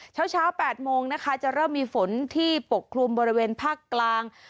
เช้า๘โมงนะคะจะเริ่มมีฝนที่ปกคลุมบริเวณภาคกลาง